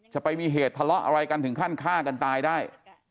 จะไปมีเหตุทะเลาะอะไรกันถึงขั้นฆ่ากันตายได้